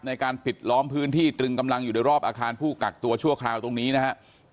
ในการปิดล้อมพื้นที่ตรึงกำลังอยู่ในรอบอาคารผู้กักตัวชั่วคราวตรงนี้นะครับ